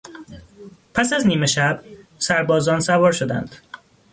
پس از نیمه شب سربازان سوار شدند.